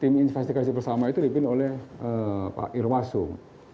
tim investigasi bersama itu dipimpin oleh pak irwasum